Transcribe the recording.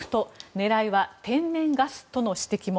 狙いは天然ガスとの指摘も。